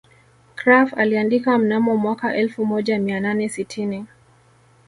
Krapf aliandika mnamo mwaka elfu moja mia nane sitini